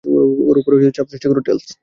ওর ওপর চাপ সৃষ্টি করো, টেলস!